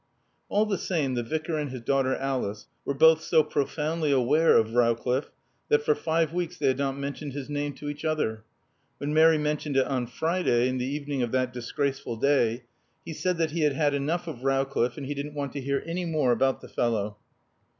All the same, the Vicar and his daughter Alice were both so profoundly aware of Rowcliffe that for five weeks they had not mentioned his name to each other. When Mary mentioned it on Friday, in the evening of that disgraceful day, he said that he had had enough of Rowcliffe and he didn't want to hear any more about the fellow.